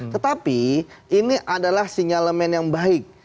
tetapi ini adalah sinyalemen yang baik